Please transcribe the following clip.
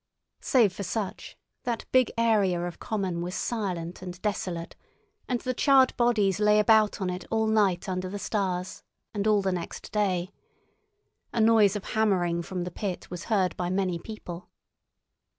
Save for such, that big area of common was silent and desolate, and the charred bodies lay about on it all night under the stars, and all the next day. A noise of hammering from the pit was heard by many people.